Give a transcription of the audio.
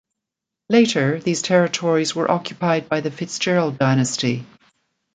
Later these territories were occupied by the FitzGerald dynasty.